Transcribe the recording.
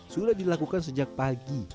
sudah dilakukan sejak pagi